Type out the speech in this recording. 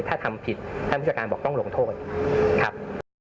ถ้าทำผิดท่านผู้จัดการบอกต้องลงโทษครับ